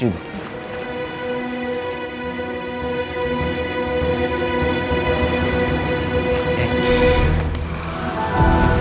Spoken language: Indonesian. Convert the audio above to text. makasih ya sus